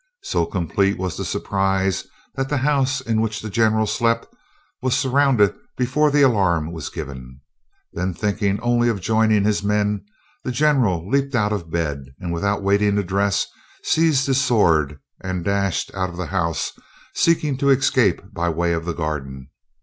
So complete was the surprise that the house in which the General slept was surrounded before the alarm was given. Then thinking only of joining his men, the General leaped out of bed, and without waiting to dress, seized his sword and dashed out of the house, seeking to escape by the way of the garden.